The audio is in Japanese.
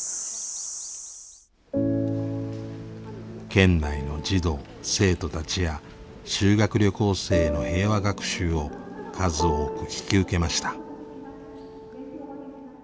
県内の児童生徒たちや修学旅行生への平和学習を数多く引き受けました。